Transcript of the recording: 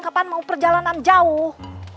kapan mau perjalanan jauh